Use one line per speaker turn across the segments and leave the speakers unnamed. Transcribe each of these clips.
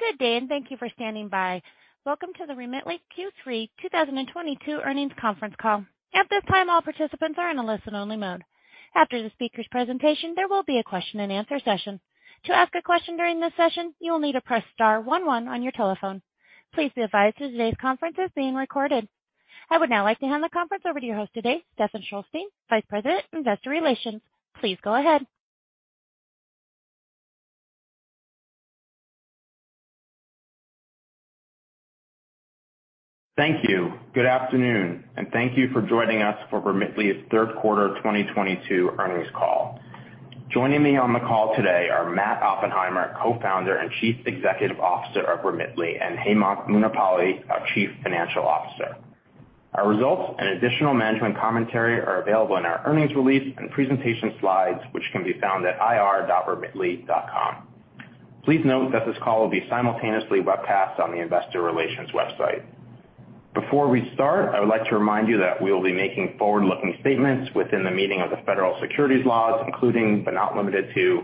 Good day, and thank you for standing by. Welcome to the Remitly Q3 2022 Earnings Conference Call. At this time, all participants are in a listen-only mode. After the speaker's presentation, there will be a question-and-answer session. To ask a question during this session, you will need to press star one one on your telephone. Please be advised that today's conference is being recorded. I would now like to hand the conference over to your host today, Stephen Shulstein, Vice President, Investor Relations. Please go ahead.
Thank you. Good afternoon, and thank you for joining us for Remitly's third quarter 2022 earnings call. Joining me on the call today are Matt Oppenheimer, Co-founder and Chief Executive Officer of Remitly, and Hemanth Munipalli, our Chief Financial Officer. Our results and additional management commentary are available in our earnings release and presentation slides, which can be found at ir.remitly.com. Please note that this call will be simultaneously webcast on the Investor Relations website. Before we start, I would like to remind you that we will be making forward-looking statements within the meaning of the federal securities laws, including, but not limited to,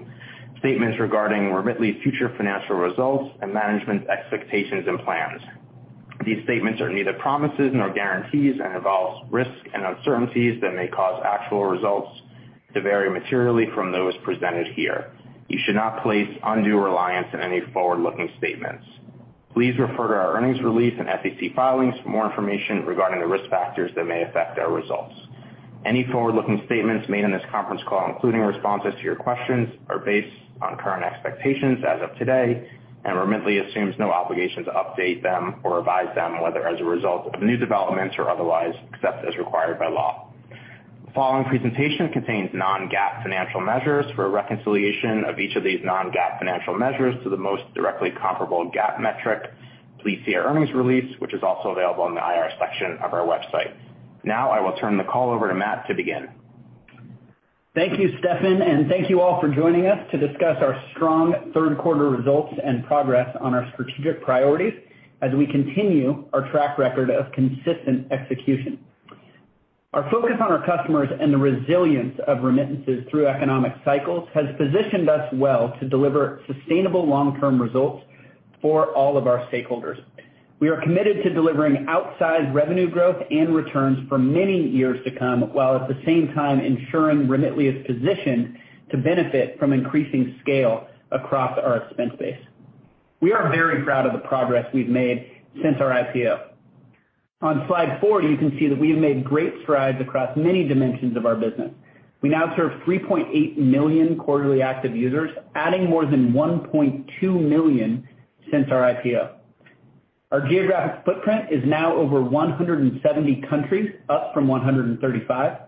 statements regarding Remitly's future financial results and management's expectations and plans. These statements are neither promises nor guarantees and involve risks and uncertainties that may cause actual results to vary materially from those presented here. You should not place undue reliance on any forward-looking statements. Please refer to our earnings release and SEC filings for more information regarding the risk factors that may affect our results. Any forward-looking statements made on this conference call, including responses to your questions, are based on current expectations as of today, and Remitly assumes no obligation to update them or revise them, whether as a result of new developments or otherwise, except as required by law. The following presentation contains non-GAAP financial measures. For a reconciliation of each of these non-GAAP financial measures to the most directly comparable GAAP metric, please see our earnings release, which is also available on the IR section of our website. Now I will turn the call over to Matt to begin.
Thank you, Stephen, and thank you all for joining us to discuss our strong third quarter results and progress on our strategic priorities as we continue our track record of consistent execution. Our focus on our customers and the resilience of remittances through economic cycles has positioned us well to deliver sustainable long-term results for all of our stakeholders. We are committed to delivering outsized revenue growth and returns for many years to come, while at the same time ensuring Remitly is positioned to benefit from increasing scale across our expense base. We are very proud of the progress we've made since our IPO. On Slide four, you can see that we have made great strides across many dimensions of our business. We now serve 3.8 million quarterly active users, adding more than 1.2 million since our IPO. Our geographic footprint is now over 170 countries, up from 135.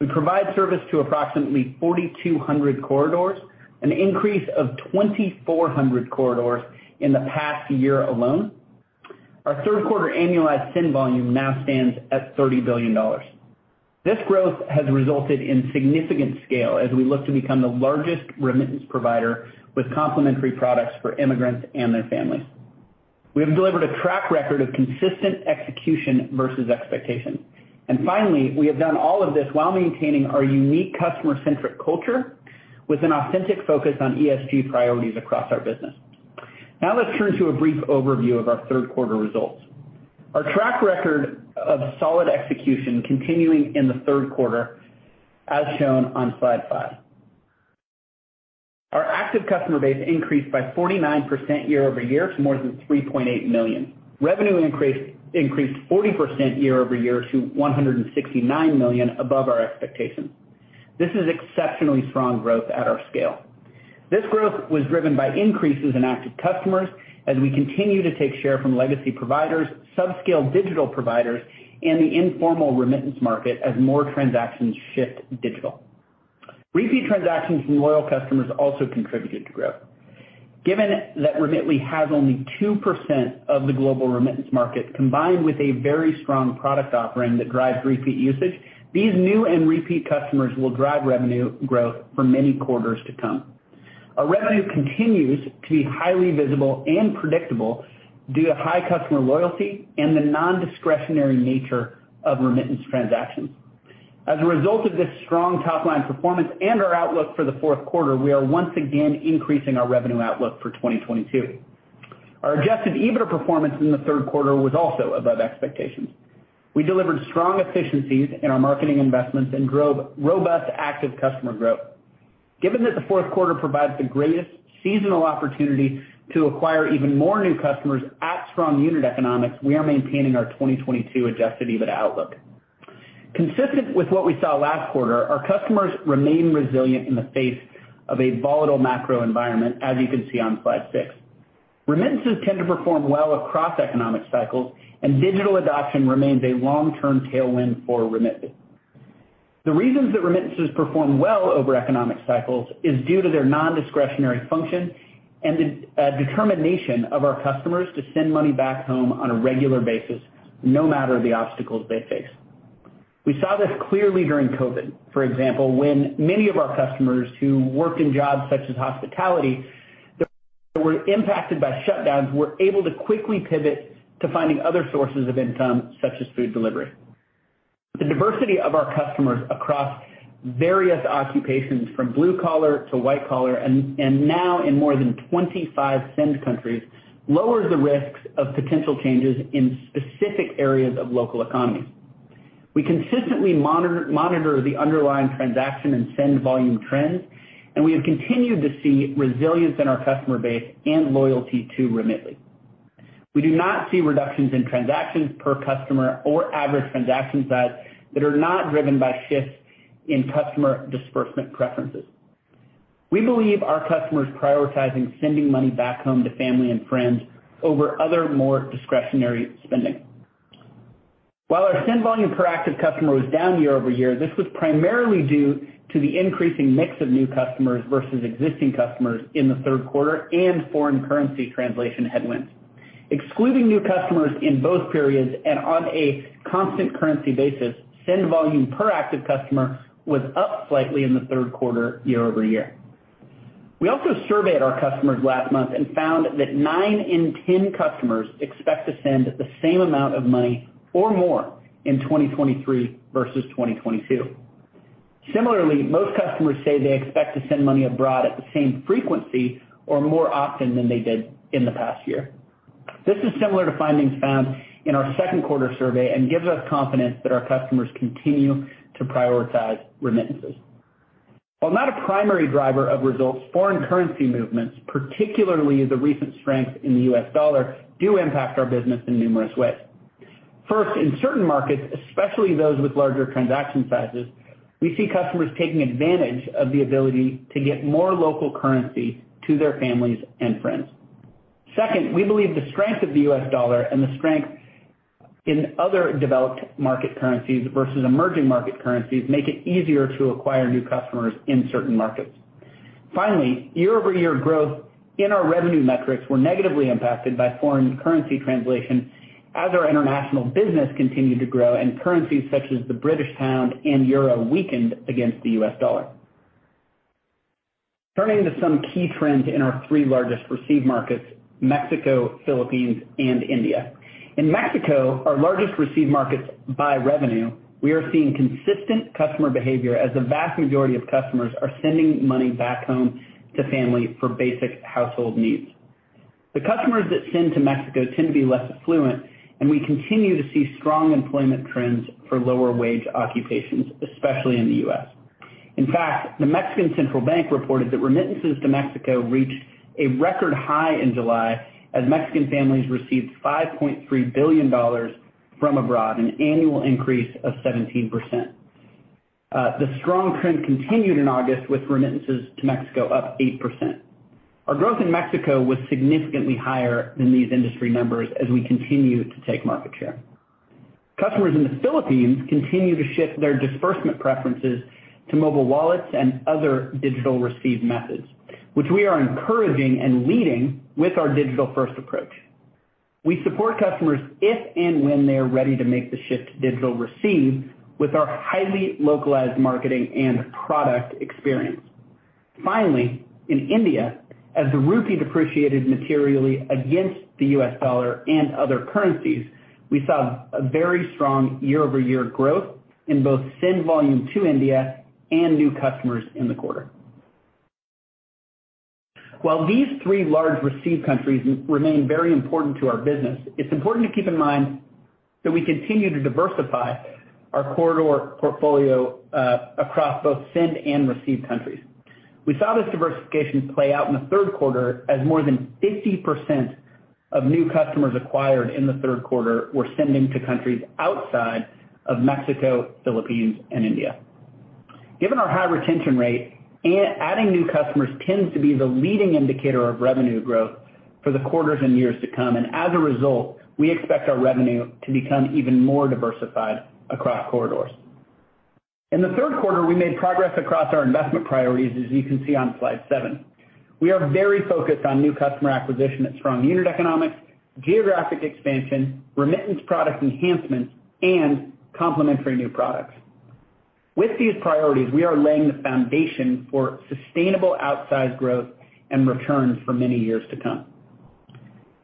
We provide service to approximately 4,200 corridors, an increase of 2,400 corridors in the past year alone. Our third quarter annualized send volume now stands at $30 billion. This growth has resulted in significant scale as we look to become the largest remittance provider with complementary products for immigrants and their families. We have delivered a track record of consistent execution versus expectations. Finally, we have done all of this while maintaining our unique customer-centric culture with an authentic focus on ESG priorities across our business. Now let's turn to a brief overview of our third quarter results. Our track record of solid execution continuing in the third quarter, as shown on Slide five. Our active customer base increased by 49% year-over-year to more than 3.8 million. Revenue increased 40% year-over-year to $169 million above our expectations. This is exceptionally strong growth at our scale. This growth was driven by increases in active customers as we continue to take share from legacy providers, subscale digital providers, and the informal remittance market as more transactions shift digital. Repeat transactions from loyal customers also contributed to growth. Given that Remitly has only 2% of the global remittance market, combined with a very strong product offering that drives repeat usage, these new and repeat customers will drive revenue growth for many quarters to come. Our revenue continues to be highly visible and predictable due to high customer loyalty and the nondiscretionary nature of remittance transactions. As a result of this strong top-line performance and our outlook for the fourth quarter, we are once again increasing our revenue outlook for 2022. Our Adjusted EBITDA performance in the third quarter was also above expectations. We delivered strong efficiencies in our marketing investments and robust active customer growth. Given that the fourth quarter provides the greatest seasonal opportunity to acquire even more new customers at strong unit economics, we are maintaining our 2022 Adjusted EBITDA outlook. Consistent with what we saw last quarter, our customers remain resilient in the face of a volatile macro environment, as you can see on Slide six. Remittances tend to perform well across economic cycles, and digital adoption remains a long-term tailwind for remittances. The reasons that remittances perform well over economic cycles is due to their nondiscretionary function and determination of our customers to send money back home on a regular basis, no matter the obstacles they face. We saw this clearly during COVID, for example, when many of our customers who worked in jobs such as hospitality that were impacted by shutdowns were able to quickly pivot to finding other sources of income such as food delivery. The diversity of our customers across various occupations from blue collar to white collar and now in more than 25 send countries lowers the risks of potential changes in specific areas of local economy. We consistently monitor the underlying transaction and send volume trends, and we have continued to see resilience in our customer base and loyalty to Remitly. We do not see reductions in transactions per customer or average transaction size that are not driven by shifts in customer disbursement preferences. We believe our customers prioritizing sending money back home to family and friends over other more discretionary spending. While our send volume per active customer was down year-over-year, this was primarily due to the increasing mix of new customers versus existing customers in the third quarter and foreign currency translation headwinds. Excluding new customers in both periods and on a constant currency basis, send volume per active customer was up slightly in the third quarter year-over-year. We also surveyed our customers last month and found that nine in ten customers expect to send the same amount of money or more in 2023 versus 2022. Similarly, most customers say they expect to send money abroad at the same frequency or more often than they did in the past year. This is similar to findings found in our second quarter survey and gives us confidence that our customers continue to prioritize remittances. While not a primary driver of results, foreign currency movements, particularly the recent strength in the U.S. dollar, do impact our business in numerous ways. First, in certain markets, especially those with larger transaction sizes, we see customers taking advantage of the ability to get more local currency to their families and friends. Second, we believe the strength of the U.S. dollar and the strength in other developed market currencies versus emerging market currencies make it easier to acquire new customers in certain markets. Finally, year-over-year growth in our revenue metrics were negatively impacted by foreign currency translation as our International business continued to grow and currencies such as the British pound and euro weakened against the U.S. dollar. Turning to some key trends in our three largest receive markets, Mexico, Philippines, and India. In Mexico, our largest receive markets by revenue, we are seeing consistent customer behavior as the vast majority of customers are sending money back home to family for basic household needs. The customers that send to Mexico tend to be less affluent, and we continue to see strong employment trends for lower wage occupations, especially in the U.S. In fact, the Mexican central bank reported that remittances to Mexico reached a record high in July as Mexican families received $5.3 billion from abroad, an annual increase of 17%. The strong trend continued in August with remittances to Mexico up 8%. Our growth in Mexico was significantly higher than these industry numbers as we continue to take market share. Customers in the Philippines continue to shift their disbursement preferences to mobile wallets and other digital receive methods, which we are encouraging and leading with our digital-first approach. We support customers if and when they are ready to make the shift to digital receive with our highly localized marketing and product experience. Finally, in India, as the rupee depreciated materially against the U.S. dollar and other currencies, we saw a very strong year-over-year growth in both send volume to India and new customers in the quarter. While these three large receive countries remain very important to our business, it's important to keep in mind that we continue to diversify our corridor portfolio across both send and receive countries. We saw this diversification play out in the third quarter as more than 50% of new customers acquired in the third quarter were sending to countries outside of Mexico, Philippines, and India. Given our high retention rate, adding new customers tends to be the leading indicator of revenue growth for the quarters and years to come. As a result, we expect our revenue to become even more diversified across corridors. In the third quarter, we made progress across our investment priorities as you can see on Slide seven. We are very focused on new customer acquisition at strong unit economics, geographic expansion, remittance product enhancements, and complementary new products. With these priorities, we are laying the foundation for sustainable outsized growth and returns for many years to come.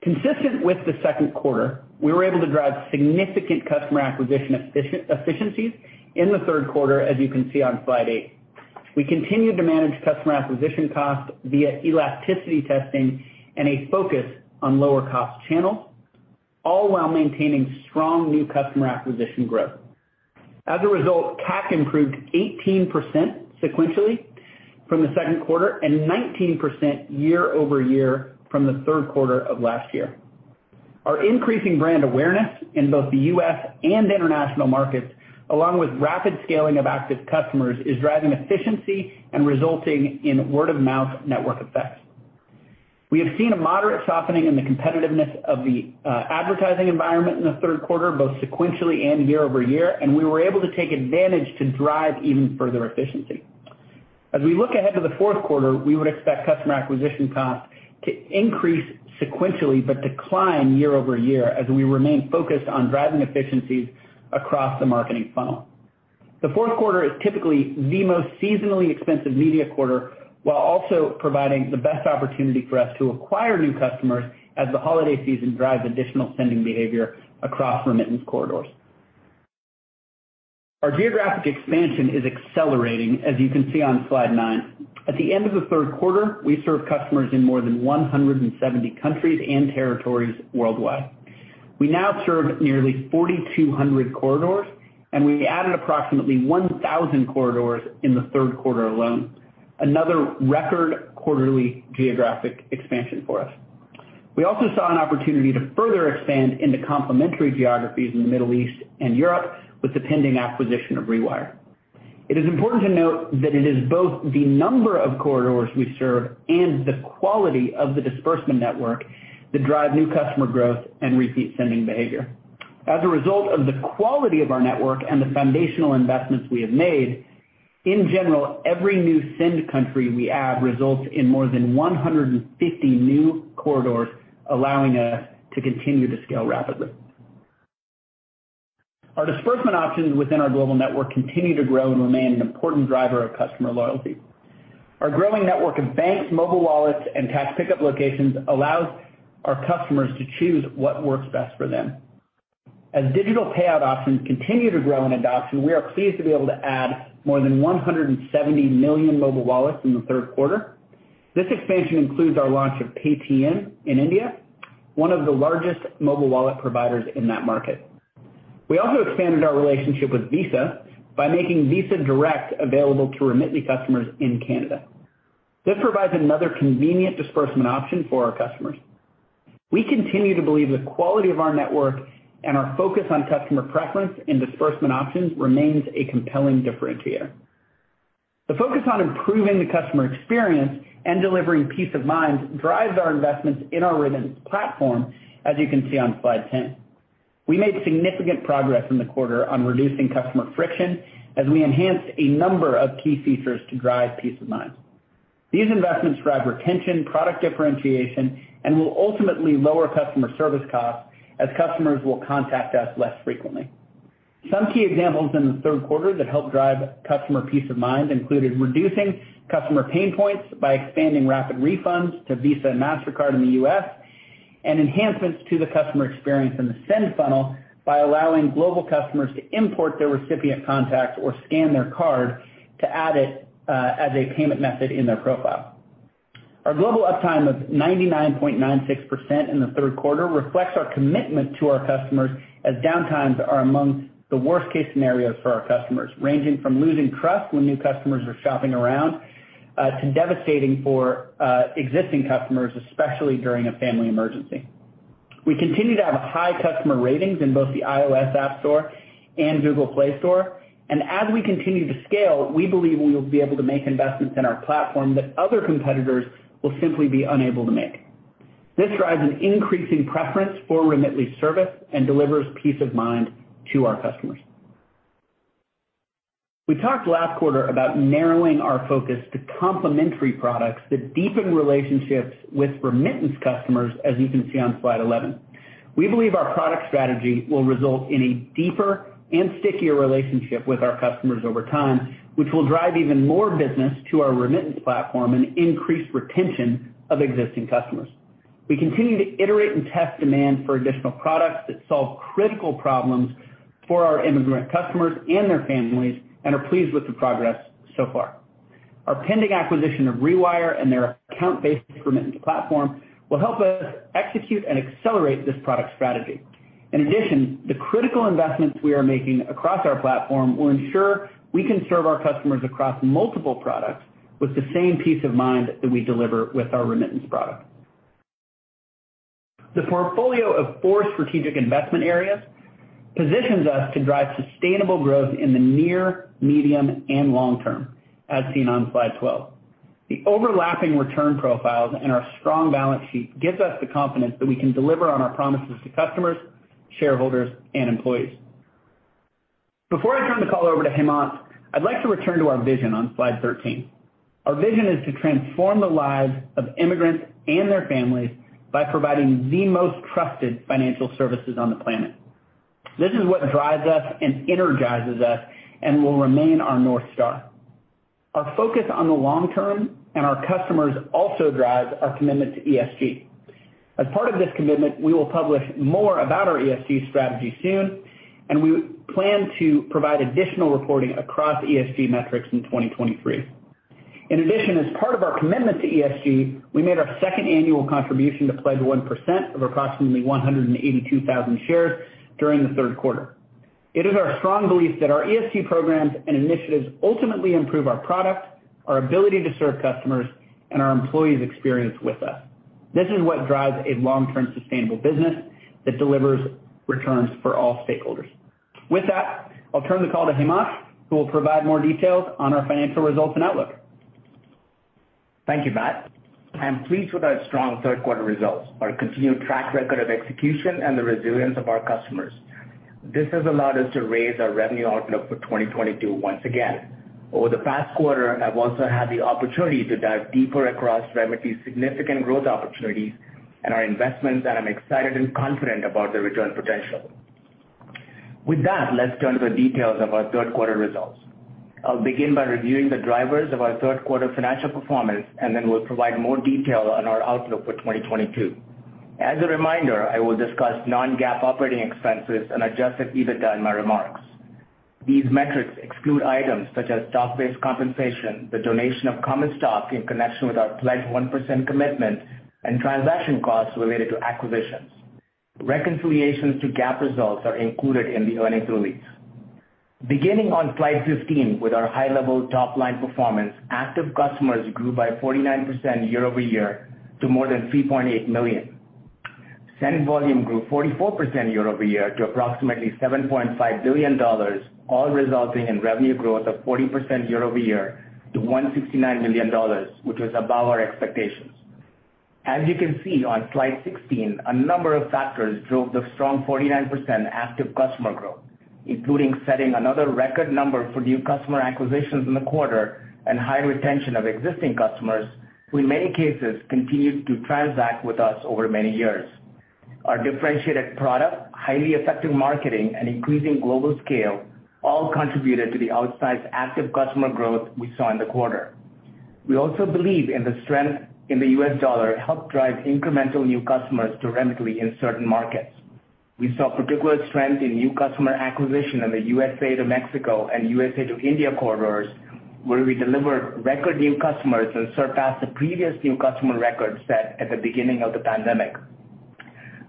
Consistent with the second quarter, we were able to drive significant customer acquisition efficiencies in the third quarter as you can see on Slide eight. We continued to manage customer acquisition costs via elasticity testing and a focus on lower cost channels, all while maintaining strong new customer acquisition growth. As a result, CAC improved 18% sequentially from the second quarter and 19% year-over-year from the third quarter of last year. Our increasing brand awareness in both the U.S. and international markets, along with rapid scaling of active customers, is driving efficiency and resulting in word-of-mouth network effects. We have seen a moderate softening in the competitiveness of the advertising environment in the third quarter, both sequentially and year-over-year, and we were able to take advantage to drive even further efficiency. As we look ahead to the fourth quarter, we would expect customer acquisition costs to increase sequentially but decline year-over-year as we remain focused on driving efficiencies across the marketing funnel. The fourth quarter is typically the most seasonally expensive media quarter, while also providing the best opportunity for us to acquire new customers as the holiday season drives additional spending behavior across remittance corridors. Our geographic expansion is accelerating, as you can see on Slide nine. At the end of the third quarter, we served customers in more than 170 countries and territories worldwide. We now serve nearly 4,200 corridors, and we added approximately 1,000 corridors in the third quarter alone. Another record quarterly geographic expansion for us. We also saw an opportunity to further expand into complementary geographies in the Middle East and Europe with the pending acquisition of Rewire. It is important to note that it is both the number of corridors we serve and the quality of the disbursement network that drive new customer growth and repeat sending behavior. As a result of the quality of our network and the foundational investments we have made, in general, every new send country we add results in more than 150 new corridors, allowing us to continue to scale rapidly. Our disbursement options within our global network continue to grow and remain an important driver of customer loyalty. Our growing network of banks, mobile wallets, and cash pickup locations allows our customers to choose what works best for them. As digital payout options continue to grow in adoption, we are pleased to be able to add more than 170 million mobile wallets in the third quarter. This expansion includes our launch of Paytm in India, one of the largest mobile wallet providers in that market. We also expanded our relationship with Visa by making Visa Direct available to Remitly customers in Canada. This provides another convenient disbursement option for our customers. We continue to believe the quality of our network and our focus on customer preference and disbursement options remains a compelling differentiator. The focus on improving the customer experience and delivering peace of mind drives our investments in our remittance platform, as you can see on Slide 10. We made significant progress in the quarter on reducing customer friction as we enhanced a number of key features to drive peace of mind. These investments drive retention, product differentiation, and will ultimately lower customer service costs as customers will contact us less frequently. Some key examples in the third quarter that helped drive customer peace of mind included reducing customer pain points by expanding rapid refunds to Visa and Mastercard in the U.S., and enhancements to the customer experience in the send funnel by allowing global customers to import their recipient contacts or scan their card to add it as a payment method in their profile. Our global uptime of 99.96% in the third quarter reflects our commitment to our customers, as downtimes are among the worst-case scenarios for our customers, ranging from losing trust when new customers are shopping around to devastating for existing customers, especially during a family emergency. We continue to have high customer ratings in both the iOS App Store and Google Play Store, and as we continue to scale, we believe we will be able to make investments in our platform that other competitors will simply be unable to make. This drives an increasing preference for Remitly's service and delivers peace of mind to our customers. We talked last quarter about narrowing our focus to complementary products that deepen relationships with remittance customers, as you can see on Slide 11. We believe our product strategy will result in a deeper and stickier relationship with our customers over time, which will drive even more business to our remittance platform and increase retention of existing customers. We continue to iterate and test demand for additional products that solve critical problems for our immigrant customers and their families and are pleased with the progress so far. Our pending acquisition of Rewire and their account-based remittance platform will help us execute and accelerate this product strategy. In addition, the critical investments we are making across our platform will ensure we can serve our customers across multiple products with the same peace of mind that we deliver with our remittance product. The portfolio of four strategic investment areas positions us to drive sustainable growth in the near, medium, and long term, as seen on Slide 12. The overlapping return profiles and our strong balance sheet gives us the confidence that we can deliver on our promises to customers, shareholders, and employees. Before I turn the call over to Hemanth, I'd like to return to our vision on Slide 13. Our vision is to transform the lives of immigrants and their families by providing the most trusted financial services on the planet. This is what drives us and energizes us and will remain our North Star. Our focus on the long term and our customers also drives our commitment to ESG. As part of this commitment, we will publish more about our ESG strategy soon, and we plan to provide additional reporting across ESG metrics in 2023. In addition, as part of our commitment to ESG, we made our second annual contribution to Pledge 1% of approximately 182,000 shares during the third quarter. It is our strong belief that our ESG programs and initiatives ultimately improve our products, our ability to serve customers, and our employees' experience with us. This is what drives a long-term sustainable business that delivers returns for all stakeholders. With that, I'll turn the call to Hemanth, who will provide more details on our financial results and outlook.
Thank you, Matt. I am pleased with our strong third quarter results, our continued track record of execution, and the resilience of our customers. This has allowed us to raise our revenue outlook for 2022 once again. Over the past quarter, I've also had the opportunity to dive deeper across Remitly's significant growth opportunities and our investments, and I'm excited and confident about the return potential. With that, let's turn to the details of our third quarter results. I'll begin by reviewing the drivers of our third quarter financial performance, and then we'll provide more detail on our outlook for 2022. As a reminder, I will discuss non-GAAP operating expenses and Adjusted EBITDA in my remarks. These metrics exclude items such as stock-based compensation, the donation of common stock in connection with our Pledge 1% commitment, and transaction costs related to acquisitions. Reconciliations to GAAP results are included in the earnings release. Beginning on Slide 15 with our high-level top-line performance, active customers grew by 49% year-over-year to more than 3.8 million. Send volume grew 44% year-over-year to approximately $7.5 billion, all resulting in revenue growth of 40% year-over-year to $169 million, which was above our expectations. As you can see on Slide 16, a number of factors drove the strong 49% active customer growth, including setting another record number for new customer acquisitions in the quarter and high retention of existing customers who in many cases continued to transact with us over many years. Our differentiated product, highly effective marketing, and increasing global scale all contributed to the outsized active customer growth we saw in the quarter. We also believe in the strength in the U.S. dollar helped drive incremental new customers to Remitly in certain markets. We saw particular strength in new customer acquisition in the USA to Mexico and USA to India corridors, where we delivered record new customers and surpassed the previous new customer records set at the beginning of the pandemic.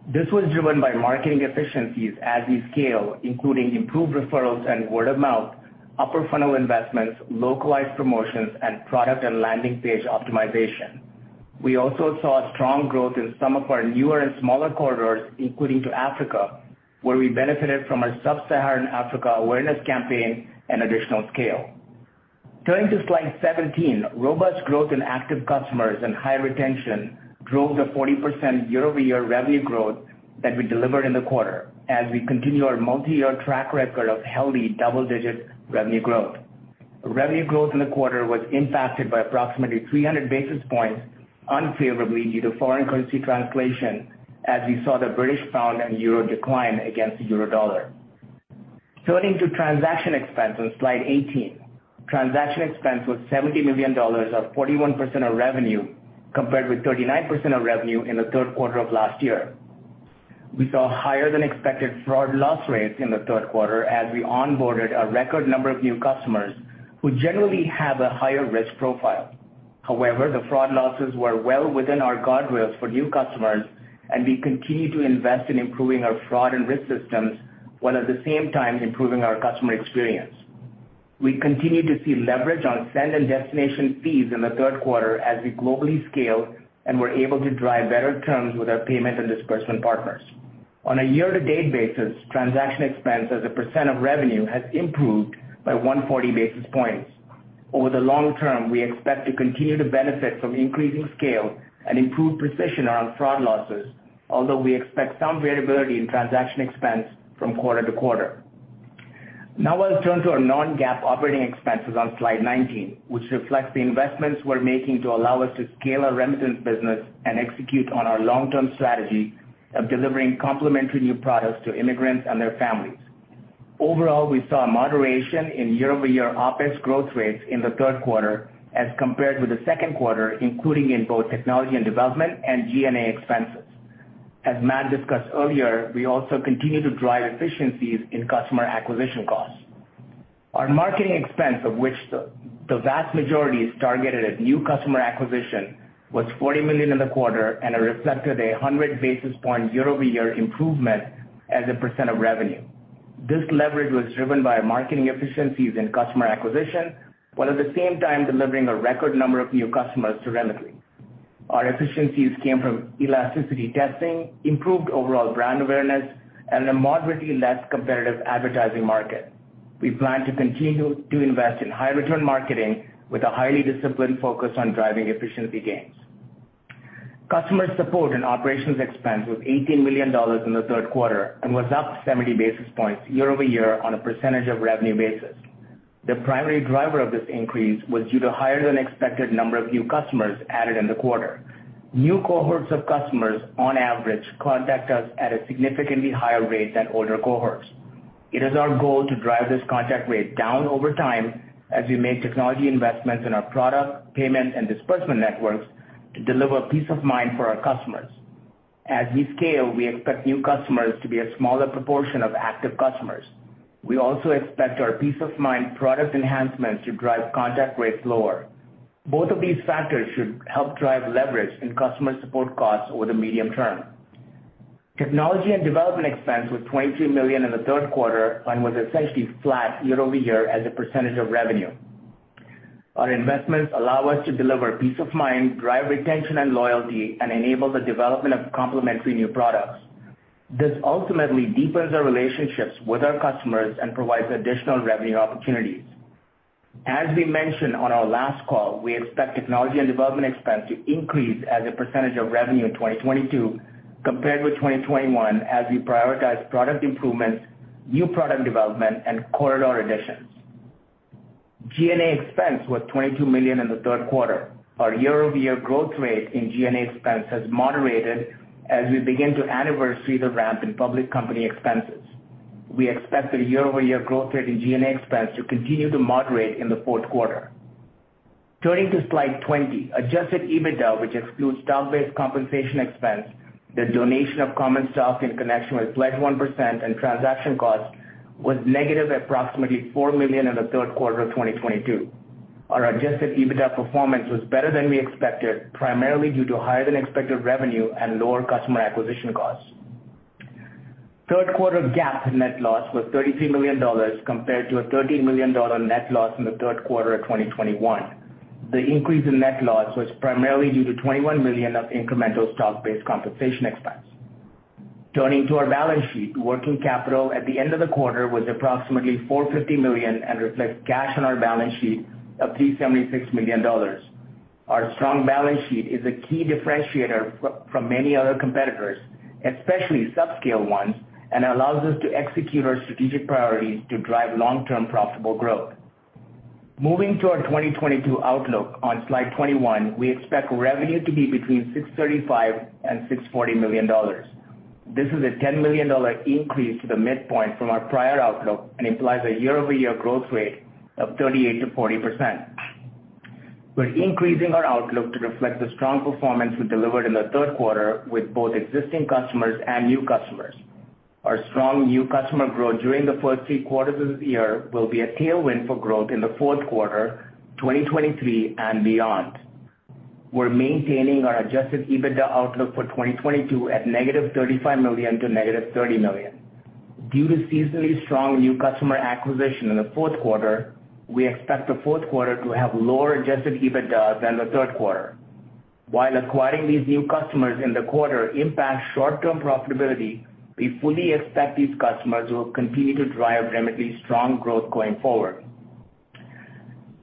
This was driven by marketing efficiencies as we scale, including improved referrals and word of mouth, upper funnel investments, localized promotions, and product and landing page optimization. We also saw strong growth in some of our newer and smaller corridors, including to Africa, where we benefited from our sub-Saharan Africa awareness campaign and additional scale. Turning to Slide 17, robust growth in active customers and high retention drove the 40% year-over-year revenue growth that we delivered in the quarter as we continue our multiyear track record of healthy double-digit revenue growth. Revenue growth in the quarter was impacted by approximately 300 basis points unfavorably due to foreign currency translation, as we saw the British pound and euro decline against the U.S. dollar. Turning to transaction expense on Slide 18. Transaction expense was $70 million, or 41% of revenue, compared with 39% of revenue in the third quarter of last year. We saw higher than expected fraud loss rates in the third quarter as we onboarded a record number of new customers who generally have a higher risk profile. However, the fraud losses were well within our guardrails for new customers, and we continue to invest in improving our fraud and risk systems, while at the same time improving our customer experience. We continue to see leverage on send and destination fees in the third quarter as we globally scale and were able to drive better terms with our payment and disbursement partners. On a year to date basis, transaction expense as a percentage of revenue has improved by 140 basis points. Over the long term, we expect to continue to benefit from increasing scale and improved precision around fraud losses, although we expect some variability in transaction expense from quarter-to-quarter. Now let's turn to our non-GAAP operating expenses on Slide 19, which reflects the investments we're making to allow us to scale our remittance business and execute on our long-term strategy of delivering complementary new products to immigrants and their families. Overall, we saw a moderation in year-over-year OpEx growth rates in the third quarter as compared with the second quarter, including in both technology and development and G&A expenses. As Matt discussed earlier, we also continue to drive efficiencies in customer acquisition costs. Our marketing expense, of which the vast majority is targeted at new customer acquisition, was $40 million in the quarter and it reflected a 100 basis point year-over-year improvement as a percentage of revenue. This leverage was driven by marketing efficiencies in customer acquisition, while at the same time delivering a record number of new customers to Remitly. Our efficiencies came from elasticity testing, improved overall brand awareness, and a moderately less competitive advertising market. We plan to continue to invest in high return marketing with a highly disciplined focus on driving efficiency gains. Customer support and operations expense was $18 million in the third quarter and was up 70 basis points year-over-year on a percentage of revenue basis. The primary driver of this increase was due to higher than expected number of new customers added in the quarter. New cohorts of customers on average contact us at a significantly higher rate than older cohorts. It is our goal to drive this contact rate down over time as we make technology investments in our product, payment, and disbursement networks to deliver peace of mind for our customers. As we scale, we expect new customers to be a smaller proportion of active customers. We also expect our peace of mind product enhancements to drive contact rates lower. Both of these factors should help drive leverage in customer support costs over the medium term. Technology and development expense was $23 million in the third quarter and was essentially flat year-over-year as a percentage of revenue. Our investments allow us to deliver peace of mind, drive retention and loyalty, and enable the development of complementary new products. This ultimately deepens our relationships with our customers and provides additional revenue opportunities. As we mentioned on our last call, we expect technology and development expense to increase as a percentage of revenue in 2022 compared with 2021 as we prioritize product improvements, new product development, and corridor additions. G&A expense was $22 million in the third quarter. Our year-over-year growth rate in G&A expense has moderated as we begin to anniversary the ramp in public company expenses. We expect the year-over-year growth rate in G&A expense to continue to moderate in the fourth quarter. Turning to Slide 20. Adjusted EBITDA, which excludes stock-based compensation expense, the donation of common stock in connection with Pledge 1% and transaction costs, was negative approximately $4 million in the third quarter of 2022. Our Adjusted EBITDA performance was better than we expected, primarily due to higher than expected revenue and lower customer acquisition costs. Third quarter GAAP net loss was $33 million compared to a $13 million net loss in the third quarter of 2021. The increase in net loss was primarily due to $21 million of incremental stock-based compensation expense. Turning to our balance sheet, working capital at the end of the quarter was approximately $450 million and reflects cash on our balance sheet of $376 million. Our strong balance sheet is a key differentiator from many other competitors, especially subscale ones, and allows us to execute our strategic priorities to drive long-term profitable growth. Moving to our 2022 outlook on Slide 21, we expect revenue to be between $635 million and $640 million. This is a $10 million increase to the midpoint from our prior outlook and implies a year-over-year growth rate of 38%-40%. We're increasing our outlook to reflect the strong performance we delivered in the third quarter with both existing customers and new customers. Our strong new customer growth during the first three quarters of the year will be a tailwind for growth in the fourth quarter 2023 and beyond. We're maintaining our Adjusted EBITDA outlook for 2022 at -$35 million to -$30 million. Due to seasonally strong new customer acquisition in the fourth quarter, we expect the fourth quarter to have lower Adjusted EBITDA than the third quarter. While acquiring these new customers in the quarter impacts short-term profitability, we fully expect these customers will continue to drive dramatically strong growth going forward.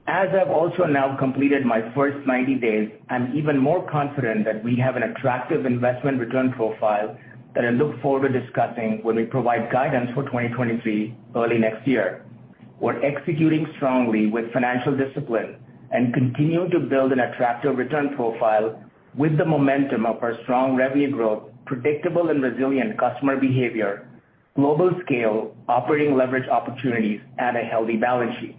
As I've also now completed my first 90 days, I'm even more confident that we have an attractive investment return profile that I look forward to discussing when we provide guidance for 2023 early next year. We're executing strongly with financial discipline and continue to build an attractive return profile with the momentum of our strong revenue growth, predictable and resilient customer behavior, global scale, operating leverage opportunities, and a healthy balance sheet.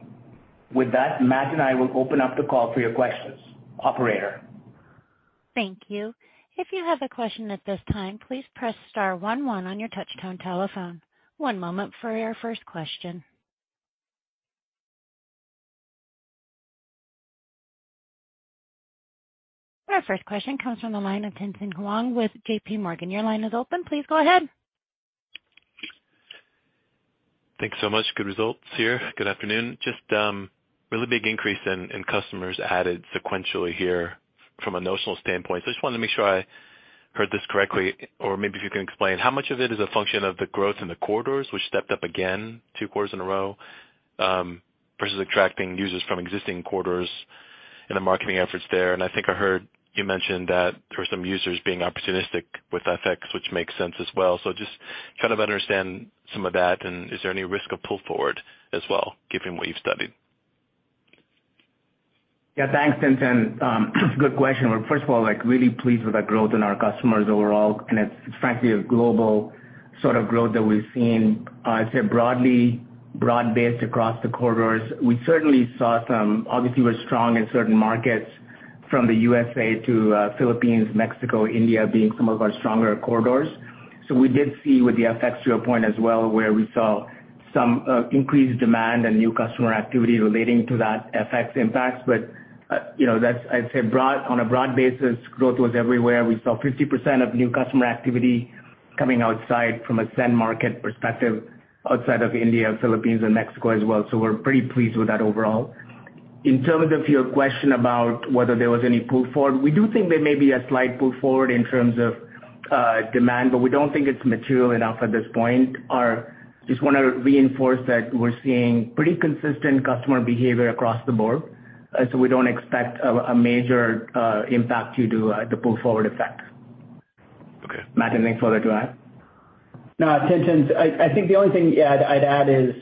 With that, Matt and I will open up the call for your questions. Operator?
Thank you. If you have a question at this time, please press star one one on your touchtone telephone. One moment for our first question. Our first question comes from the line of Tien-Tsin Huang with JPMorgan. Your line is open. Please go ahead.
Thanks so much. Good results here. Good afternoon. Just really big increase in customers added sequentially here from a notional standpoint. I just wanted to make sure I heard this correctly or maybe if you can explain, how much of it is a function of the growth in the corridors, which stepped up again two quarters in a row, versus attracting users from existing corridors and the marketing efforts there? I think I heard you mention that there were some users being opportunistic with FX, which makes sense as well. Just trying to understand some of that, and is there any risk of pull forward as well, given what you've studied?
Yeah, thanks, Tien-Tsin. Good question. We're first of all, like, really pleased with our growth in our customers overall, and it's frankly a global sort of growth that we've seen. I'd say broad-based across the corridors. We certainly saw. Obviously, we're strong in certain markets from the USA to Philippines, Mexico, India being some of our stronger corridors. We did see with the FX to a point as well, where we saw some increased demand and new customer activity relating to that FX impact. You know, I'd say on a broad basis, growth was everywhere. We saw 50% of new customer activity coming outside from a send market perspective, outside of India, Philippines and Mexico as well, so we're pretty pleased with that overall. In terms of your question about whether there was any pull forward, we do think there may be a slight pull forward in terms of demand, but we don't think it's material enough at this point. Just wanna reinforce that we're seeing pretty consistent customer behavior across the board, so we don't expect a major impact due to the pull forward effect.
Okay.
Matt, anything further to add?
No, Tien-Tsin, I think the only thing, yeah, I'd add is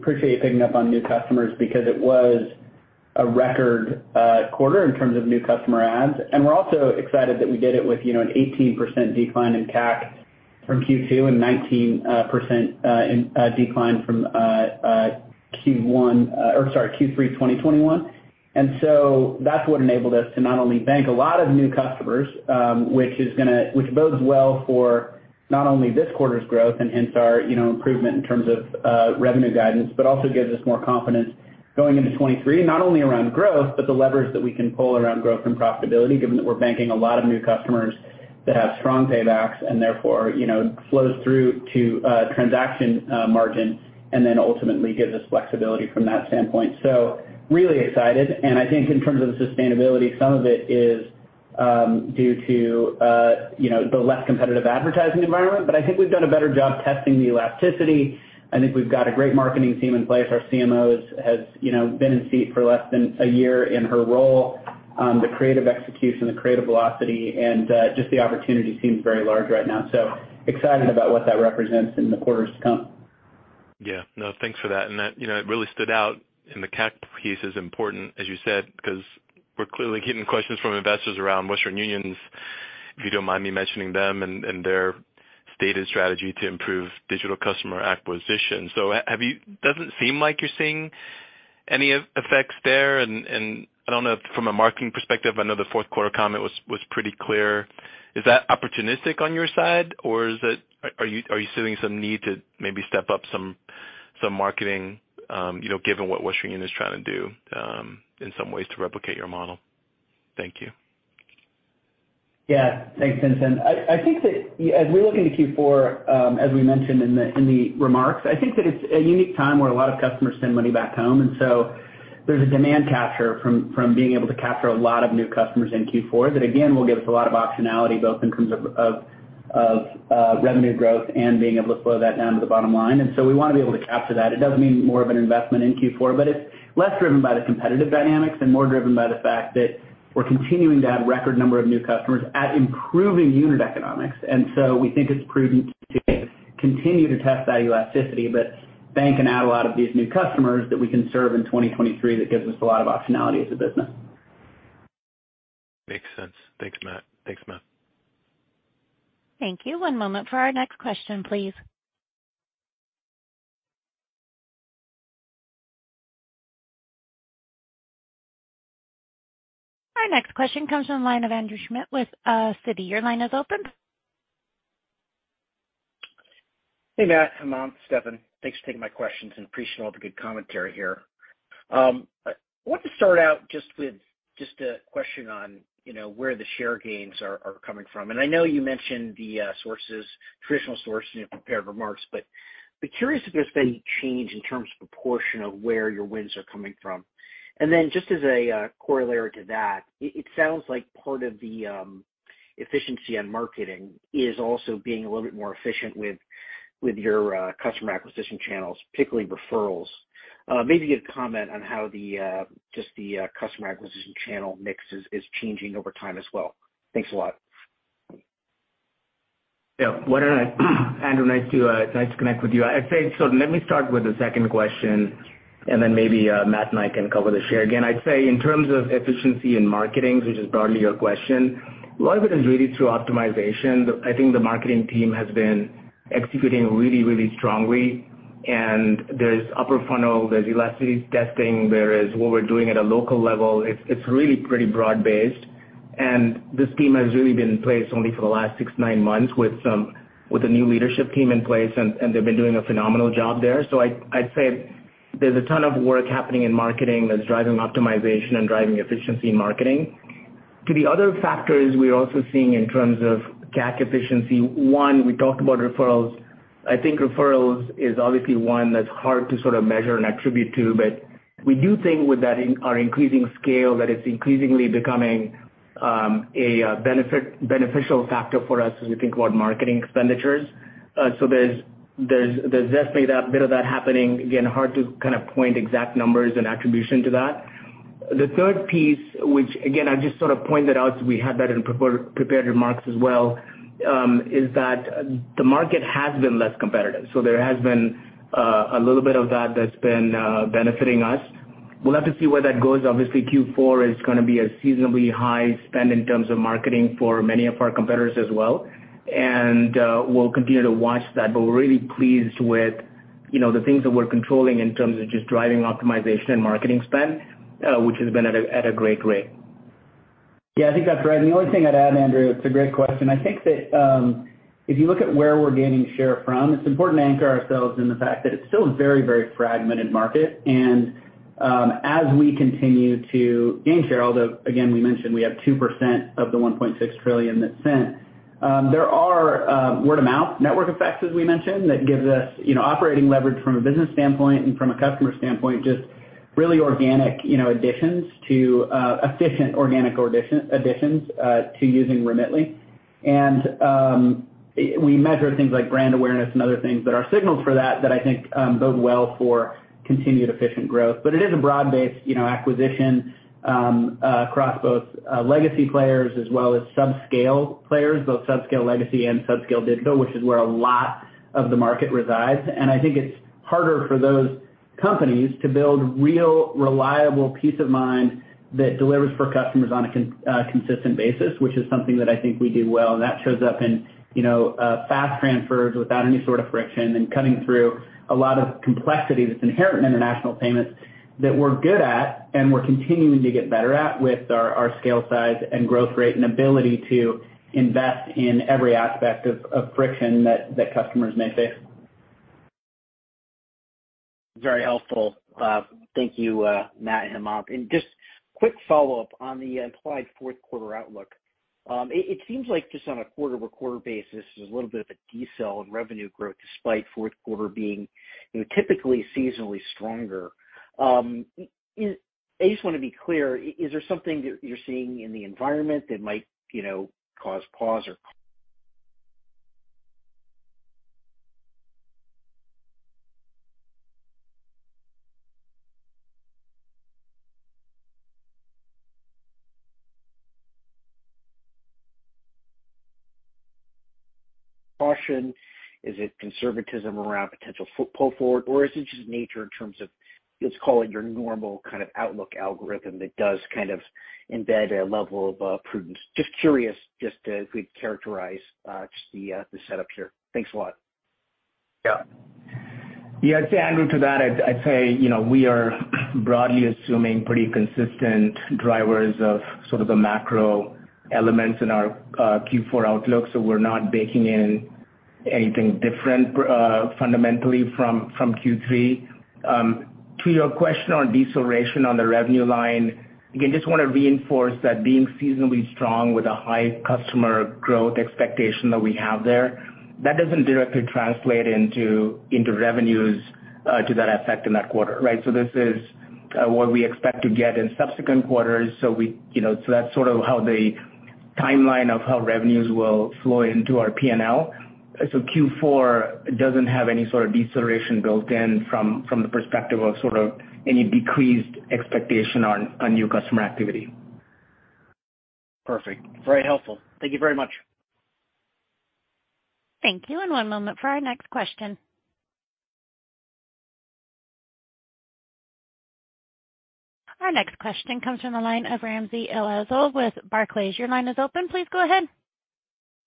appreciate you picking up on new customers because it was a record quarter in terms of new customer adds. We're also excited that we did it with, you know, an 18% decline in CAC from Q2 and 19% decline from Q1, or sorry, Q3 2021. That's what enabled us to not only bank a lot of new customers, which bodes well for not only this quarter's growth and hence our, you know, improvement in terms of revenue guidance, but also gives us more confidence going into 2023, not only around growth, but the levers that we can pull around growth and profitability, given that we're banking a lot of new customers that have strong paybacks and therefore, you know, flows through to transaction margin and then ultimately gives us flexibility from that standpoint. Really excited, and I think in terms of the sustainability, some of it is due to, you know, the less competitive advertising environment. But I think we've done a better job testing the elasticity. I think we've got a great marketing team in place. Our CMO has, you know, been in seat for less than a year in her role. The creative execution, the creative velocity and, just the opportunity seems very large right now, so excited about what that represents in the quarters to come.
Yeah. No, thanks for that. That, you know, it really stood out and the CAC piece is important, as you said, because we're clearly getting questions from investors around Western Union's, if you don't mind me mentioning them and their stated strategy to improve digital customer acquisition. So does it seem like you're seeing any effects there? I don't know if from a marketing perspective, I know the fourth quarter comment was pretty clear. Is that opportunistic on your side or is it? Are you seeing some need to maybe step up some marketing, you know, given what Western Union is trying to do, in some ways to replicate your model? Thank you.
Yeah. Thanks, Tien-Tsin. I think that as we look into Q4, as we mentioned in the remarks, I think that it's a unique time where a lot of customers send money back home. There's a demand capture from being able to capture a lot of new customers in Q4 that again, will give us a lot of optionality both in terms of revenue growth and being able to flow that down to the bottom line. We wanna be able to capture that. It does mean more of an investment in Q4, but it's less driven by the competitive dynamics and more driven by the fact that we're continuing to add record number of new customers at improving unit economics. We think it's prudent to continue to test that elasticity. Banking and adding a lot of these new customers that we can serve in 2023, that gives us a lot of optionality as a business.
Makes sense. Thanks, Matt.
Thank you. One moment for our next question, please. Our next question comes from the line of Andrew Schmidt with Citi. Your line is open.
Hey, Matt, Hemanth, Stephen. Thanks for taking my questions and appreciate all the good commentary here. I want to start out just with a question on, you know, where the share gains are coming from. I know you mentioned the sources, traditional sources in your prepared remarks, but I'd be curious if there's been any change in terms of proportion of where your wins are coming from. Then just as a corollary to that, it sounds like part of the efficiency on marketing is also being a little bit more efficient with your customer acquisition channels, particularly referrals. Maybe give a comment on how the just the customer acquisition channel mix is changing over time as well. Thanks a lot.
Yeah. Why don't I, Andrew, nice to connect with you. I'd say so let me start with the second question and then maybe Matt and I can cover the share. Again, I'd say in terms of efficiency in marketing, which is broadly your question, a lot of it is really through optimization. I think the marketing team has been executing really, really strongly. There's upper funnel, there's elasticity testing, there is what we're doing at a local level. It's really pretty broad-based. This team has really been in place only for the last six, nine months with a new leadership team in place, and they've been doing a phenomenal job there. I'd say there's a ton of work happening in marketing that's driving optimization and driving efficiency in marketing. To the other factors we're also seeing in terms of CAC efficiency. One, we talked about referrals. I think referrals is obviously one that's hard to sort of measure and attribute to, but we do think with that in our increasing scale that it's increasingly becoming a beneficial factor for us as we think about marketing expenditures. So there's definitely that bit of that happening. Again, hard to kind of point exact numbers and attribution to that. The third piece, which again, I just sort of pointed out we had that in prepared remarks as well, is that the market has been less competitive, so there has been a little bit of that that's been benefiting us. We'll have to see where that goes. Obviously, Q4 is gonna be a seasonally high spend in terms of marketing for many of our competitors as well, and we'll continue to watch that. We're really pleased with, you know, the things that we're controlling in terms of just driving optimization and marketing spend, which has been at a great rate.
Yeah, I think that's right. The only thing I'd add, Andrew, it's a great question. I think that, if you look at where we're gaining share from, it's important to anchor ourselves in the fact that it's still a very, very fragmented market. As we continue to gain share, although again we mentioned we have 2% of the $1.6 trillion that's sent, there are word-of-mouth network effects, as we mentioned, that gives us, you know, operating leverage from a business standpoint and from a customer standpoint, just really organic, you know, additions to efficient organic additions to using Remitly. We measure things like brand awareness and other things that are signals for that I think bode well for continued efficient growth. It is a broad-based, you know, acquisition, across both, legacy players as well as subscale players, both subscale legacy and subscale digital, which is where a lot of the market resides. I think it's harder for those companies to build real reliable peace of mind that delivers for customers on a consistent basis, which is something that I think we do well. That shows up in, you know, fast transfers without any sort of friction and cutting through a lot of complexity that's inherent in international payments that we're good at and we're continuing to get better at with our scale, size, and growth rate and ability to invest in every aspect of friction that customers may face.
Very helpful. Thank you, Matt and Hemanth. Just quick follow-up on the implied fourth quarter outlook. It seems like just on a quarter-over-quarter basis, there's a little bit of a decel in revenue growth despite fourth quarter being, you know, typically seasonally stronger. I just wanna be clear, is there something that you're seeing in the environment that might, you know, cause pause or caution. Is it conservatism around potential pull forward, or is it just nature in terms of, let's call it your normal kind of outlook algorithm that does kind of embed a level of prudence? Just curious, just to see if we'd characterize just the setup here. Thanks a lot.
Yeah. I'd say, Andrew, to that, I'd say, you know, we are broadly assuming pretty consistent drivers of sort of the macro elements in our Q4 outlook, so we're not baking in anything different fundamentally from Q3. To your question on deceleration on the revenue line, again, just wanna reinforce that being seasonally strong with a high customer growth expectation that we have there, that doesn't directly translate into revenues to that effect in that quarter, right? This is what we expect to get in subsequent quarters, you know, that's sort of how the timeline of how revenues will flow into our P&L. Q4 doesn't have any sort of deceleration built in from the perspective of sort of any decreased expectation on new customer activity.
Perfect. Very helpful. Thank you very much.
Thank you, and one moment for our next question. Our next question comes from the line of Ramsey El-Assal with Barclays. Your line is open. Please go ahead.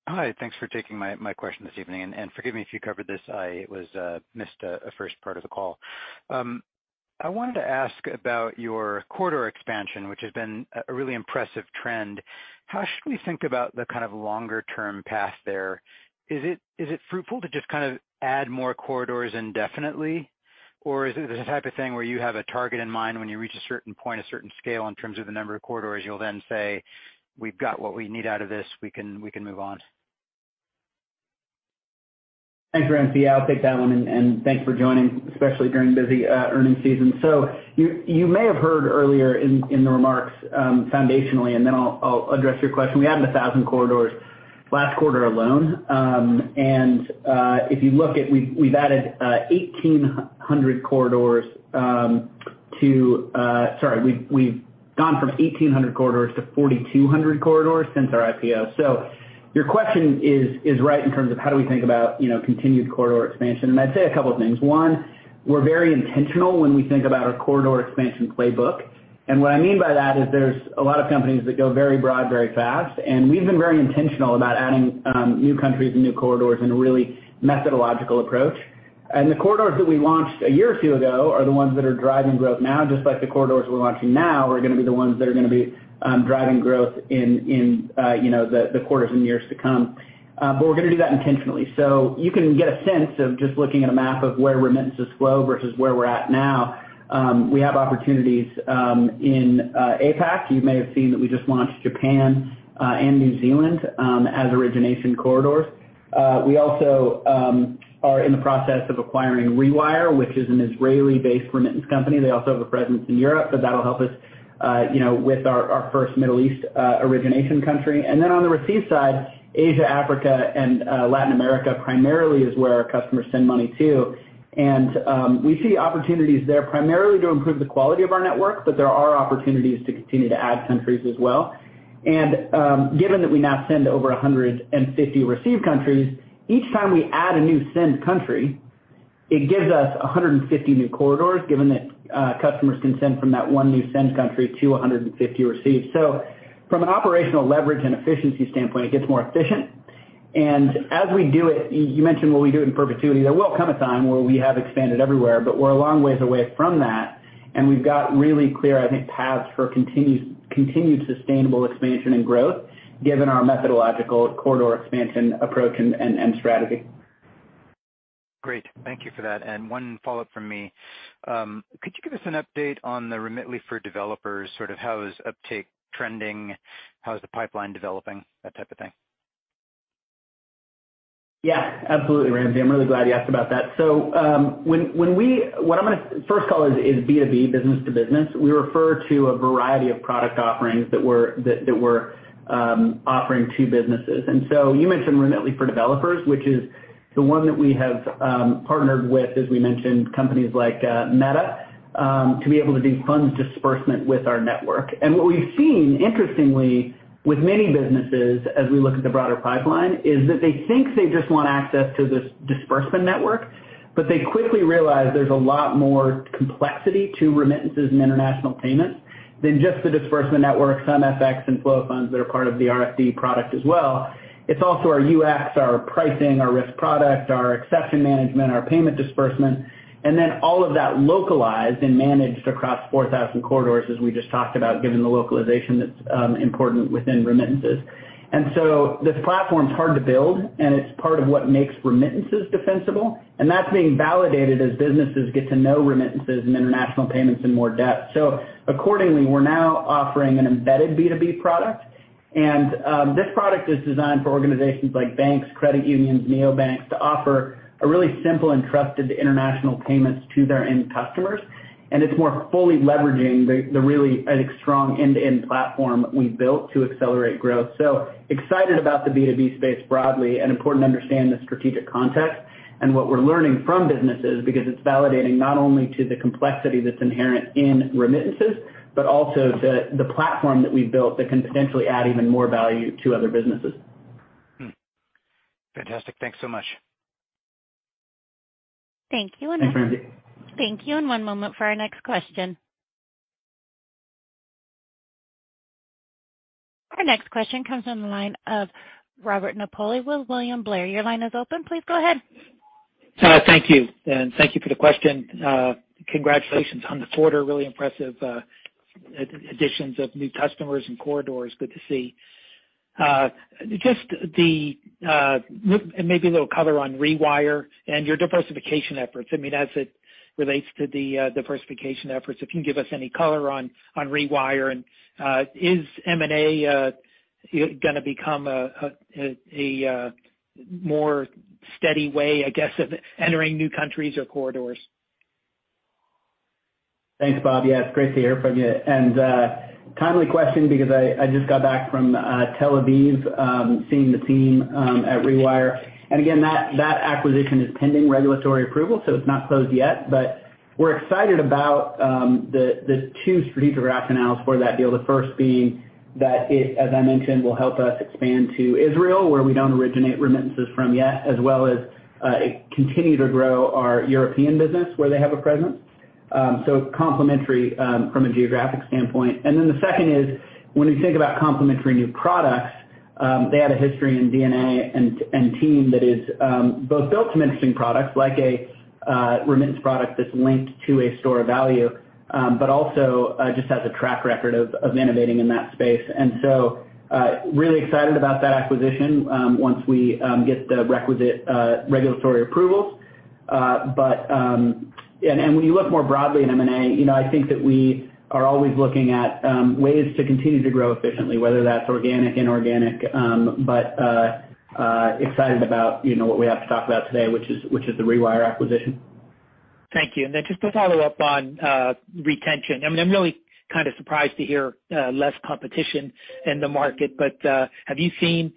Hi. Thanks for taking my question this evening, and forgive me if you covered this. I missed the first part of the call. I wanted to ask about your corridor expansion, which has been a really impressive trend. How should we think about the kind of longer-term path there? Is it fruitful to just kind of add more corridors indefinitely, or is it the type of thing where you have a target in mind when you reach a certain point, a certain scale in terms of the number of corridors you'll then say, "We've got what we need out of this, we can move on"?
Thanks, Ramsey. I'll take that one, and thanks for joining, especially during busy earnings season. You may have heard earlier in the remarks, foundationally, and then I'll address your question. We added 1,000 corridors last quarter alone, and if you look at we've added 1,800 corridors. Sorry, we've gone from 1,800 corridors to 4,200 corridors since our IPO. Your question is right in terms of how do we think about, you know, continued corridor expansion, and I'd say a couple things. One, we're very intentional when we think about our corridor expansion playbook. What I mean by that is there's a lot of companies that go very broad, very fast, and we've been very intentional about adding new countries and new corridors in a really methodological approach. The corridors that we launched a year or two ago are the ones that are driving growth now, just like the corridors we're launching now are gonna be the ones that are gonna be driving growth in you know, the quarters and years to come. We're gonna do that intentionally. You can get a sense of just looking at a map of where remittances flow versus where we're at now. We have opportunities in APAC. You may have seen that we just launched Japan and New Zealand as origination corridors. We also are in the process of acquiring Rewire, which is an Israeli-based remittance company. They also have a presence in Europe, so that'll help us you know, with our first Middle East origination country. On the receive side, Asia, Africa and Latin America primarily is where our customers send money to. We see opportunities there primarily to improve the quality of our network, but there are opportunities to continue to add countries as well. Given that we now send to over 150 receive countries, each time we add a new send country, it gives us 150 new corridors, given that customers can send from that one new send country to 150 receives. From an operational leverage and efficiency standpoint, it gets more efficient, and as we do it, you mentioned what we do in perpetuity. There will come a time where we have expanded everywhere, but we're a long ways away from that, and we've got really clear, I think, paths for continued sustainable expansion and growth given our methodological corridor expansion approach and strategy.
Great. Thank you for that. One follow-up from me. Could you give us an update on the Remitly for Developers, sort of how is uptake trending, how is the pipeline developing, that type of thing?
Yeah, absolutely, Ramsey. I'm really glad you asked about that. What I'm gonna first call is B2B, business-to-business. We refer to a variety of product offerings that we're offering to businesses. You mentioned Remitly for Developers, which is the one that we have partnered with, as we mentioned, companies like Meta, to be able to do funds disbursement with our network. What we've seen interestingly with many businesses as we look at the broader pipeline is that they think they just want access to this disbursement network, but they quickly realize there's a lot more complexity to remittances and international payments than just the disbursement networks, some FX and flow of funds that are part of the RFD product as well. It's also our UX, our pricing, our risk product, our exception management, our payment disbursement, and then all of that localized and managed across 4,000 corridors as we just talked about, given the localization that's important within remittances. This platform's hard to build, and it's part of what makes remittances defensible, and that's being validated as businesses get to know remittances and international payments in more depth. Accordingly, we're now offering an embedded B2B product, and this product is designed for organizations like banks, credit unions, neobanks to offer a really simple and trusted international payments to their end customers. It's more fully leveraging the really, I think, strong end-to-end platform we've built to accelerate growth. Excited about the B2B space broadly, and important to understand the strategic context and what we're learning from businesses because it's validating not only to the complexity that's inherent in remittances, but also the platform that we've built that can potentially add even more value to other businesses.
Fantastic. Thanks so much.
Thank you. Thank you. One moment for our next question. Our next question comes from the line of Robert Napoli with William Blair. Your line is open. Please go ahead.
Thank you, and thank you for the question. Congratulations on the quarter. Really impressive additions of new customers and corridors. Good to see. Just maybe a little color on Rewire and your diversification efforts. I mean, as it relates to the diversification efforts, if you can give us any color on Rewire and is M&A gonna become a more steady way, I guess, of entering new countries or corridors?
Thanks, Bob. Yeah, it's great to hear from you. Timely question because I just got back from Tel Aviv, seeing the team at Rewire. Again, that acquisition is pending regulatory approval, so it's not closed yet. We're excited about the two strategic rationales for that deal. The first being that it, as I mentioned, will help us expand to Israel, where we don't originate remittances from yet, as well as continue to grow our European business where they have a presence. Complementary from a geographic standpoint. Then the second is, when we think about complementary new products, they had a history and DNA and team that is both built some interesting products like a remittance product that's linked to a store of value, but also just has a track record of innovating in that space. Really excited about that acquisition, once we get the requisite regulatory approvals. When you look more broadly in M&A, you know, I think that we are always looking at ways to continue to grow efficiently, whether that's organic, inorganic. Excited about, you know, what we have to talk about today, which is the Rewire acquisition.
Thank you. Just to follow up on retention. I mean, I'm really kind of surprised to hear less competition in the market, but have you seen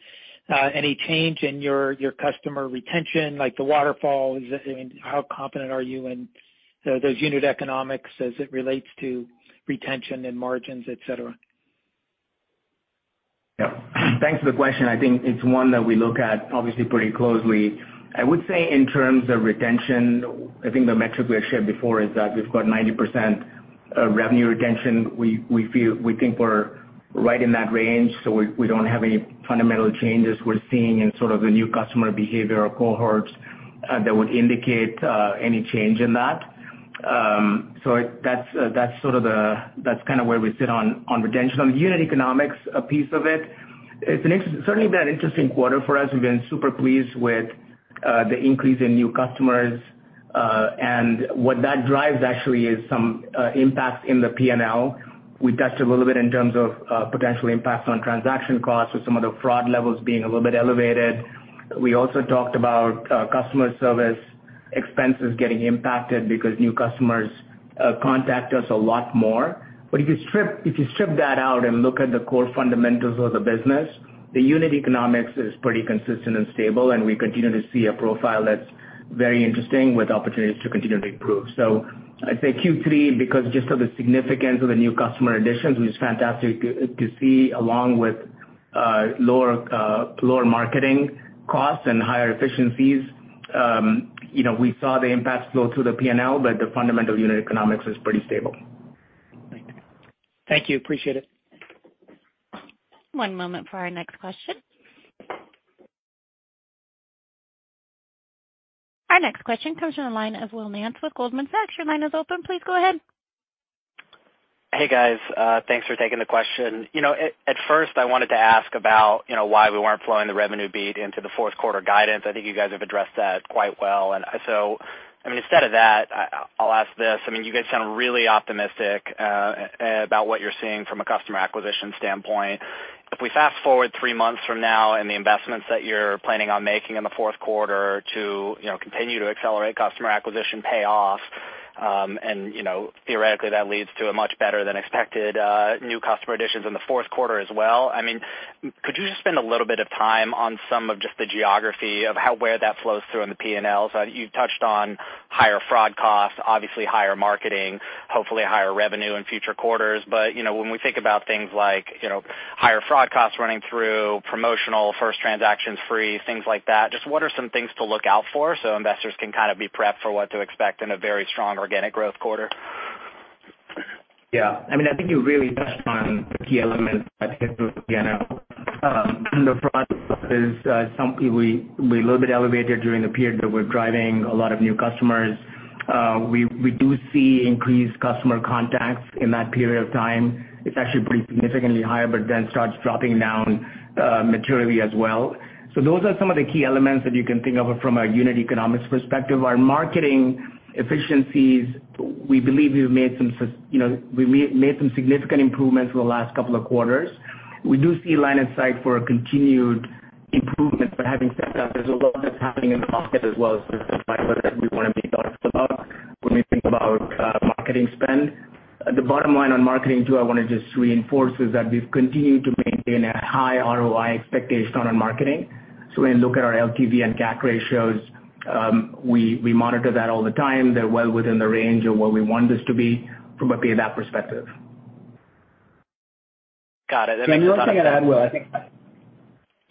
any change in your customer retention, like the waterfall? I mean, how confident are you in those unit economics as it relates to retention and margins, et cetera?
Yeah. Thanks for the question. I think it's one that we look at obviously pretty closely. I would say in terms of retention, I think the metric we have shared before is that we've got 90% revenue retention. We feel we think we're right in that range, so we don't have any fundamental changes we're seeing in sort of the new customer behavior or cohorts that would indicate any change in that. So that's kind of where we sit on retention. On unit economics piece of it's certainly been an interesting quarter for us. We've been super pleased with the increase in new customers. And what that drives actually is some impact in the P&L. We touched a little bit in terms of potential impacts on transaction costs with some of the fraud levels being a little bit elevated. We also talked about customer service expenses getting impacted because new customers contact us a lot more. If you strip that out and look at the core fundamentals of the business, the unit economics is pretty consistent and stable, and we continue to see a profile that's very interesting with opportunities to continue to improve. I'd say Q3 because just of the significance of the new customer additions was fantastic to see along with lower marketing costs and higher efficiencies. You know, we saw the impact flow through the P&L, but the fundamental unit economics is pretty stable.
Thank you. Appreciate it.
One moment for our next question. Our next question comes from the line of Will Nance with Goldman Sachs. Your line is open. Please go ahead.
Hey, guys. Thanks for taking the question. You know, at first I wanted to ask about, you know, why we weren't flowing the revenue beat into the fourth quarter guidance. I think you guys have addressed that quite well. I mean, instead of that, I'll ask this. I mean, you guys sound really optimistic about what you're seeing from a customer acquisition standpoint. If we fast-forward three months from now and the investments that you're planning on making in the fourth quarter to, you know, continue to accelerate customer acquisition payoff, and you know, theoretically that leads to a much better than expected new customer additions in the fourth quarter as well. I mean, could you just spend a little bit of time on some of just the geography of how, where that flows through in the P&L? You've touched on higher fraud costs, obviously higher marketing, hopefully higher revenue in future quarters. You know, when we think about things like, you know, higher fraud costs running through promotional first transactions free, things like that, just what are some things to look out for so investors can kind of be prepped for what to expect in a very strong organic growth quarter?
Yeah. I mean, I think you really touched on the key elements up front we're a little bit elevated during the period that we're driving a lot of new customers. We do see increased customer contacts in that period of time. It's actually pretty significantly higher but then starts dropping down materially as well. Those are some of the key elements that you can think of from a unit economics perspective. Our marketing efficiencies, we believe we've made some, you know, we made some significant improvements in the last couple of quarters. We do see line of sight for a continued improvement. But having said that, there's a lot that's happening in the market as well as the provider that we wanna be thought about when we think about marketing spend. The bottom line on marketing too, I wanna just reinforce, is that we've continued to maintain a high ROI expectation on our marketing. When you look at our LTV and CAC ratios, we monitor that all the time. They're well within the range of where we want this to be from a payback perspective.
Got it.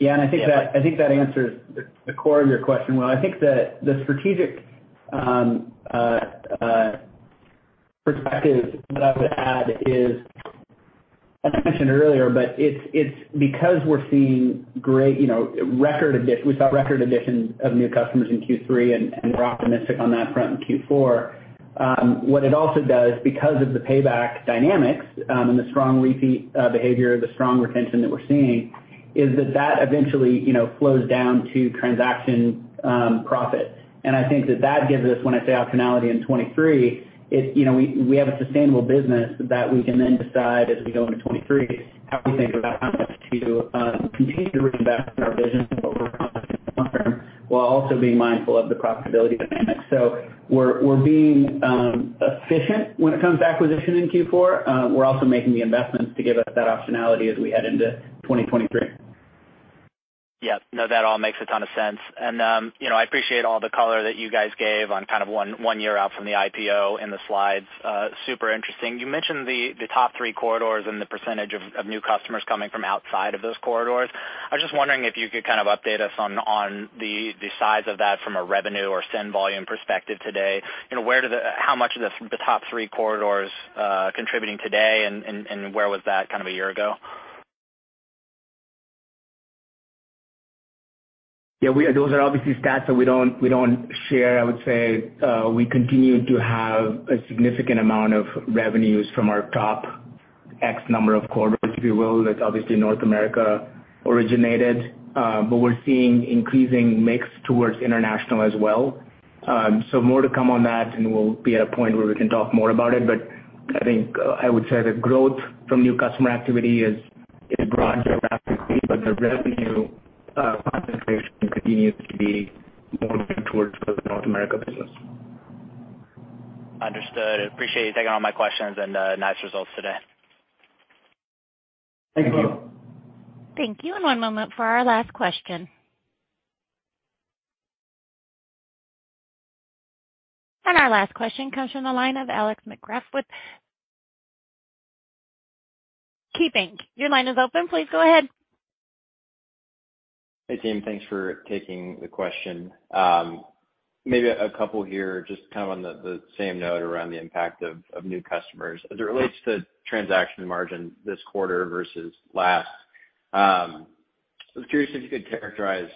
Yeah, I think that answers the core of your question, Will. I think the strategic perspective that I would add is, as I mentioned earlier, but it's because we're seeing great, you know, record addition. We saw record additions of new customers in Q3, and we're optimistic on that front in Q4. What it also does, because of the payback dynamics, and the strong repeat behavior, the strong retention that we're seeing, is that eventually, you know, flows down to transaction profit. I think that gives us, when I say optionality in 2023, you know, we have a sustainable business that we can then decide as we go into 2023 how we think about how to continue to reinvest in our vision of what we're while also being mindful of the profitability dynamics. We're being efficient when it comes to acquisition in Q4. We're also making the investments to give us that optionality as we head into 2023.
Yeah. No, that all makes a ton of sense. You know, I appreciate all the color that you guys gave on kind of one year out from the IPO in the slides. Super interesting. You mentioned the top three corridors and the percentage of new customers coming from outside of those corridors. I was just wondering if you could kind of update us on the size of that from a revenue or send volume perspective today. You know, how much of the top three corridors contributing today and where was that kind of a year ago?
Yeah, those are obviously stats that we don't share. I would say, we continue to have a significant amount of revenues from our top X number of corridors, if you will, that's obviously North America originated. We're seeing increasing mix towards international as well. More to come on that, and we'll be at a point where we can talk more about it. I think, I would say the growth from new customer activity is broad geographically, but the revenue concentration continues to be more towards the North America business.
Understood. Appreciate you taking all my questions, and nice results today.
Thank you.
Thank you.
Thank you. One moment for our last question. Our last question comes from the line of Alexander Markgraff with KeyBanc. Your line is open. Please go ahead.
Hey, team. Thanks for taking the question. Maybe a couple here, just kind of on the same note around the impact of new customers. As it relates to transaction margin this quarter versus last, I was curious if you could characterize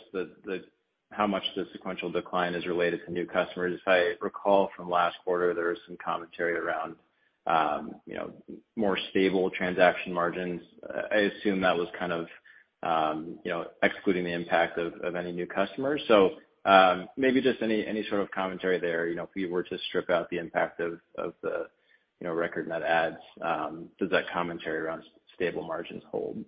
how much the sequential decline is related to new customers. If I recall from last quarter, there was some commentary around, you know, more stable transaction margins. I assume that was kind of, you know, excluding the impact of any new customers. Maybe just any sort of commentary there. You know, if you were to strip out the impact of the, you know, record net adds, does that commentary around stable margins hold?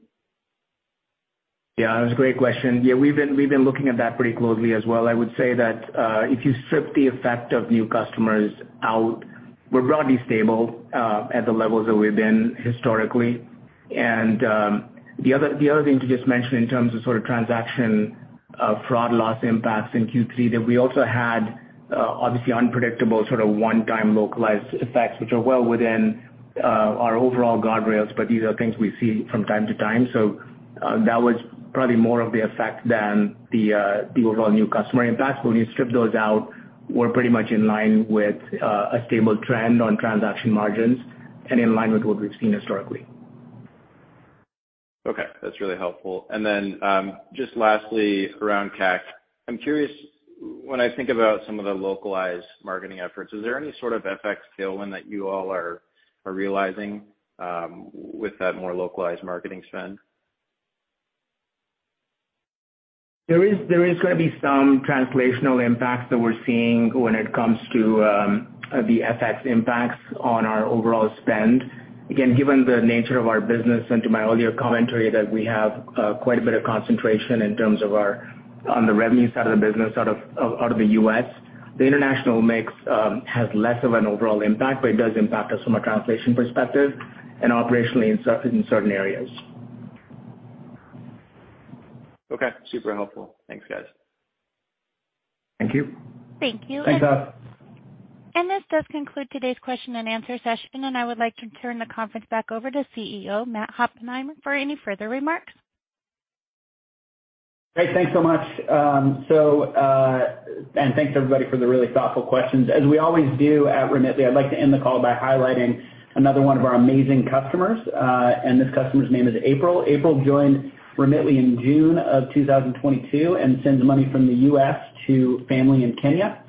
Yeah, that's a great question. Yeah, we've been looking at that pretty closely as well. I would say that if you strip the effect of new customers out, we're broadly stable at the levels that we've been historically. The other thing to just mention in terms of sort of transaction fraud loss impacts in Q3 that we also had obviously unpredictable sort of one-time localized effects, which are well within our overall guardrails, but these are things we see from time to time. That was probably more of the effect than the overall new customer impact. When you strip those out, we're pretty much in line with a stable trend on transaction margins and in line with what we've seen historically.
Okay. That's really helpful. Just lastly, around CAC. I'm curious, when I think about some of the localized marketing efforts, is there any sort of FX tailwind that you all are realizing with that more localized marketing spend?
There is gonna be some translational impacts that we're seeing when it comes to the FX impacts on our overall spend. Again, given the nature of our business and to my earlier commentary that we have quite a bit of concentration in terms of our on the revenue side of the business out of the U.S. The international mix has less of an overall impact, but it does impact us from a translation perspective and operationally in certain areas.
Okay. Super helpful. Thanks, guys.
Thank you.
Thank you. This does conclude today's question and answer session, and I would like to turn the conference back over to CEO Matt Oppenheimer for any further remarks.
Great. Thanks so much. Thanks, everybody, for the really thoughtful questions. As we always do at Remitly, I'd like to end the call by highlighting another one of our amazing customers, and this customer's name is April. April joined Remitly in June 2022 and sends money from the U.S. to family in Kenya.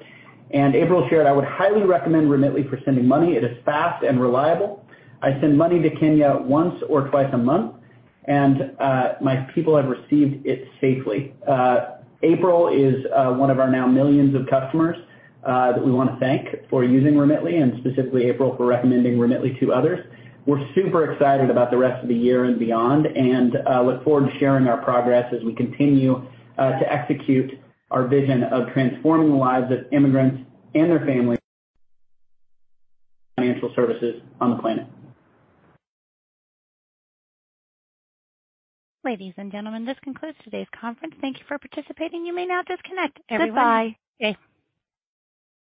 April shared, "I would highly recommend Remitly for sending money. It is fast and reliable. I send money to Kenya once or twice a month, and my people have received it safely." April is one of our now millions of customers that we wanna thank for using Remitly and specifically April for recommending Remitly to others. We're super excited about the rest of the year and beyond and look forward to sharing our progress as we continue to execute our vision of transforming the lives of immigrants and their families financial services on the planet.
Ladies and gentlemen, this concludes today's conference. Thank you for participating. You may now disconnect. Everyone- Goodbye.